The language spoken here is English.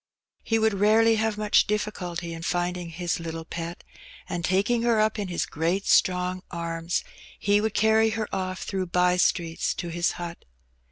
He would rarely have much difficulty in finding his little pet, and taking her up in his great strong arms, he would carry her off through bye streets to his hut.